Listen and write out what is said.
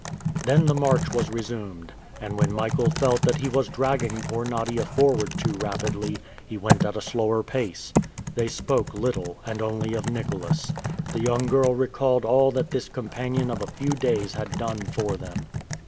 Then the march was resumed; and when Michael felt that he was dragging poor Nadia forward too rapidly, he went at a slower pace. They spoke little, and only of Nicholas. The young girl recalled all that this companion of a few days had done for them.